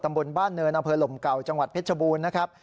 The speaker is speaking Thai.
บนบ้านเนินอำเภอหลมเก่าจังหวัดเพชรบูรณ์นะครับ